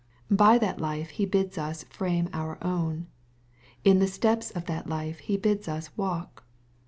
By that life he bids us frame our own. In the steps of that life He bids us walk.